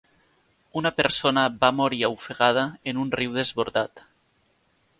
Una persona va morir ofegada en un riu desbordat.